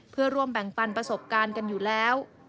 เพื่อร่วมแบ่งปันประสบการณ์กันอยู่แล้ว